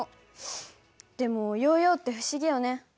でもヨーヨーって不思議よね。